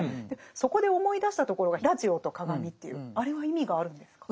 そこで思い出したところが「ラジオと鏡」というあれは意味があるんですか？